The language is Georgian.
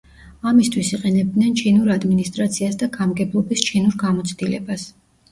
ამისთვის იყენებდნენ ჩინურ ადმინისტრაციას და გამგებლობის ჩინურ გამოცდილებას.